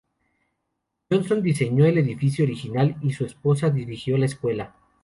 Johnson diseñó el edificio original y su esposa dirigió la escuela.